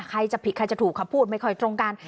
ใครจะผิดใครจะถูกเขาพูดไม่ค่อยตรงกัน